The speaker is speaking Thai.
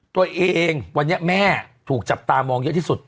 ตัวเองวันนี้แม่ถูกจับตามองเยอะที่สุด